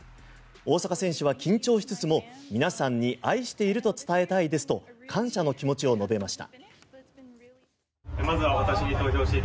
大坂選手は緊張しつつも皆さんに愛していると伝えたいですと感謝の気持ちを述べました。